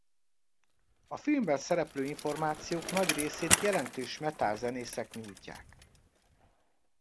A filmben szereplő információk nagy részét jelentős metal zenészek nyújtják.